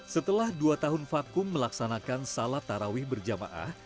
setelah dua tahun vakum melaksanakan salat tarawih berjamaah